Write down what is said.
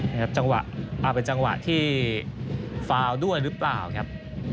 เอาเป็นจังหวะที่ฟาร์ลด้วยหรือเปล่าครับ